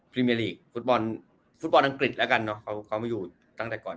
รีเมลีกฟุตบอลฟุตบอลอังกฤษแล้วกันเนอะเขาเขามาอยู่ตั้งแต่ก่อน